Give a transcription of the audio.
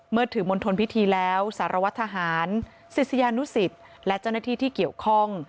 เมื่อถึงมณฑลพิธีแล้วสารวัตรทหารศิษยานุสิตและเจ้าหน้าที่ที่เกี่ยวข้อง